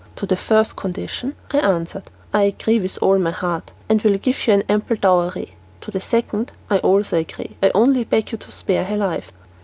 "To the first condition," I answered, "I agree with all my heart, and I will give you an ample dowry. To the second I also agree, I only beg you to spare her life."